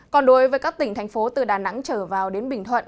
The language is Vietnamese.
còn đối với các tỉnh thành phố từ đà nẵng trở vào đến bình thuận